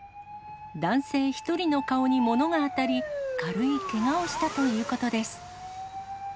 男性１人の顔にものが当たり、軽いけがをしたということです。